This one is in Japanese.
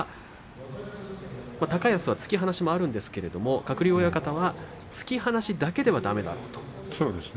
高安は突き放しもあるんですが鶴竜親方は突き放しだけではそうですね。